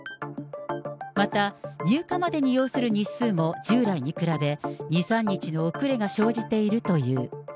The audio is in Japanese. また入荷までに要する日数も従来に比べ２、３日の遅れが生じているという。